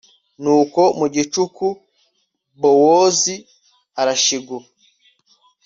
nuko mu gicuku, bowozi arashiguka